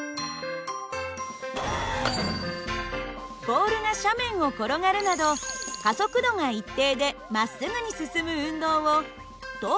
ボールが斜面を転がるなど加速度が一定でまっすぐに進む運動を等